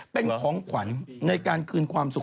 เป็นของขวัญในการคืนความสุข